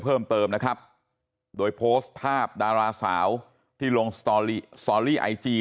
เพิ่มเติมนะครับโดยโพสต์ภาพดาราสาวที่ลงสตอรี่สตอรี่ไอจี